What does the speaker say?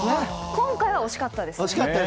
今回は惜しかったですね。